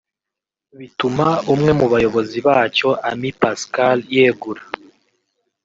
bituma umwe mu bayobozi bacyo Amy Pascal yegura